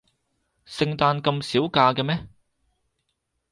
聖誕咁少假嘅咩？